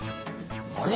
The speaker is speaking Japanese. あれ？